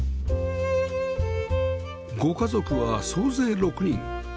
ご家族は総勢６人